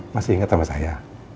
masih inget sama saya